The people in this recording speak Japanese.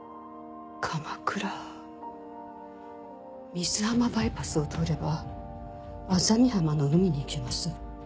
水浜バイパスを通れば薊浜の海に行けます。